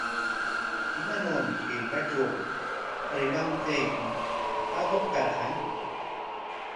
¿Imanawmi hirkatraw rikanqayki atuq karqan?